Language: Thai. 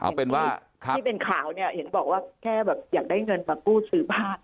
เอาเป็นว่าที่เป็นข่าวเนี่ยเห็นบอกว่าแค่แบบอยากได้เงินมากู้ซื้อบ้าน